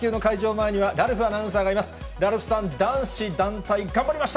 前には、ラルフアナウンサーがいます。